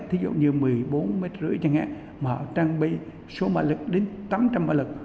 thí dụ như một mươi bốn mét rưỡi chẳng hạn mà họ trang bị số mã lực đến tám trăm linh mã lực